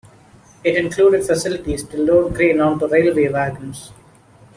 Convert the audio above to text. It included facilities to load grain onto railway wagons.